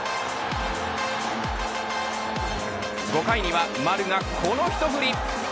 ５回には丸がこの一振り。